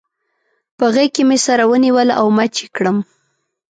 په غېږ کې مې سره ونیول او مچ يې کړم.